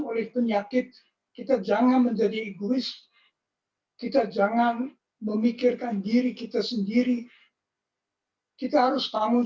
oleh penyakit kita jangan menjadi egois kita jangan memikirkan diri kita sendiri kita harus bangun